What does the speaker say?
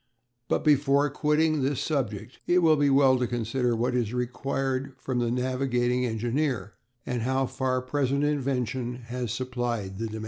But before quitting this subject it will be well to consider what is required from the navigating engineer, and how far present invention has supplied the demand.